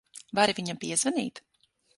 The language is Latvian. Vari viņam piezvanīt?